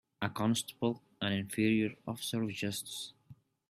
A constable an inferior officer of justice